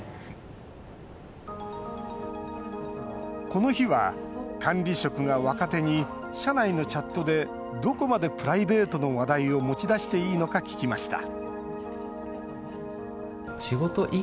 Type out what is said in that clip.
この日は、管理職が若手に社内のチャットでどこまでプライベートの話題を持ち出していいのか聞きました